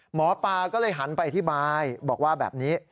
หมอปลาก็เลยหันไปอธิบายบอกว่าแบบนี้